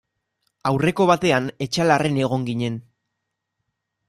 Aurreko batean Etxalarren egon ginen.